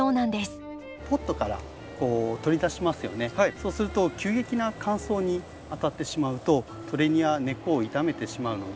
そうすると急激な乾燥に当たってしまうとトレニアは根っこを傷めてしまうので。